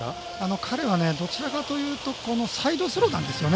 彼はどちらかというとサイドスローなんですよね。